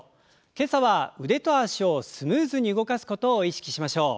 今朝は腕と脚をスムーズに動かすことを意識しましょう。